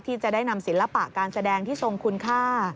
ที่จะได้นำศิลปะการแสดงที่ทรงคุณค่า